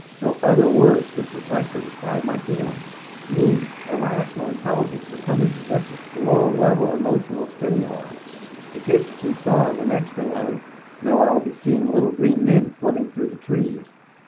No other words could so precisely describe my feelings. Me, a rational intelligence, succumbing to such low level emotional stimuli! If this keeps on, the next thing I know I will be seeing little green men flitting through the trees....